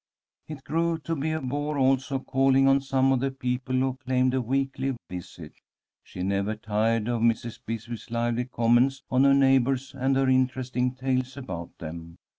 It grew to be a bore, also, calling on some of the people who claimed a weekly visit. She never tired of Mrs. Bisbee's lively comments on her neighbours and her interesting tales about them.